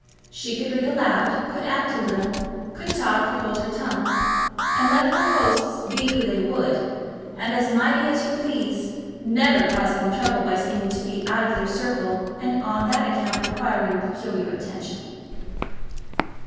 She could read aloud, could act a little, could talk or hold her tongue; and let her hosts be who they would and as mighty as you please, never caused them trouble by seeming to be out of their circle, and on that account requiring peculiar attention.